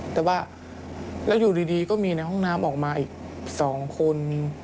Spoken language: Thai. แต่ว่าแล้วอยู่ดีก็มีในห้องน้ำออกมาอีก๒คน